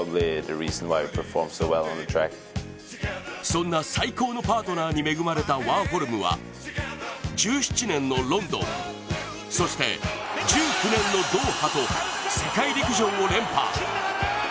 そんな最高のパートナーに恵まれたワーホルムは１７年のロンドンそして、１９年のドーハと世界陸上を連覇。